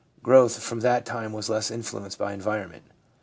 Growth from that time was less influenced by environment.